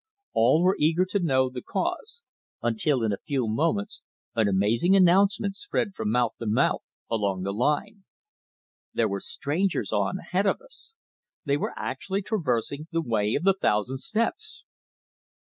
All were eager to know the cause, until in a few moments an amazing announcement spread from mouth to mouth along the line. There were strangers on ahead of us! They were actually traversing the Way of the Thousand Steps!